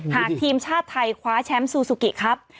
หากทีมชาติไทยคว้าแชมป์ซูซูกิครับ